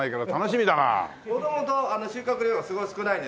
元々収穫量がすごい少ないんですよ。